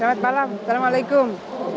ya selamat malam assalamualaikum